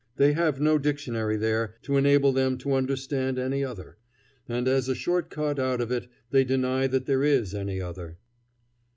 They have no dictionary there to enable them to understand any other; and as a short cut out of it they deny that there is any other.